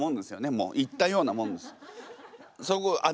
そこ行ったようなもんです。